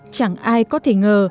chẳng ai có thể ngờ